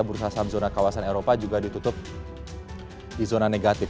bursa saham zona kawasan eropa juga ditutup di zona negatif